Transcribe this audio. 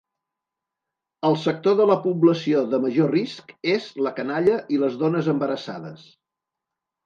El sector de la població de major risc és la canalla i les dones embarassades.